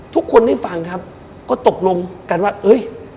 ทุกคนฟังตกลงการ